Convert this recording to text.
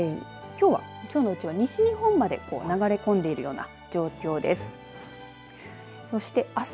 きょうのうちは西日本まで流れ込んでいるような状況です。